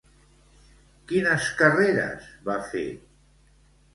Quines carreres va fer?